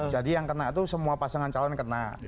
jadi yang kena itu semua pasangan calon kena